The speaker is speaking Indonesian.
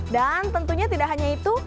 dan tentunya tidak hanya itu